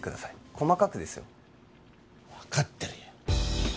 細かくですよ分かってるよ